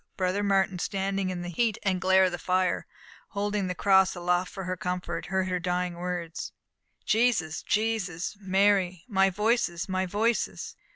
Brother Martin, standing in the heat and glare of the fire, holding the cross aloft for her comfort, heard her dying words: "Jesus! Jesus! Mary! My voices! My voices!"